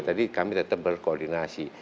jadi kami tetap berkoordinasi